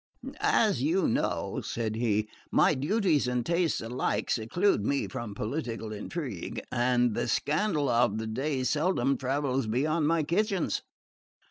"As you know," said he, "my duties and tastes alike seclude me from political intrigue, and the scandal of the day seldom travels beyond my kitchens.